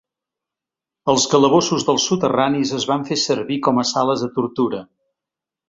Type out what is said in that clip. Els calabossos dels soterranis es van fer servir com a sales de tortura.